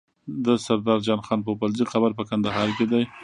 د سردار جان خان پوپلزی قبر په کندهار کی دی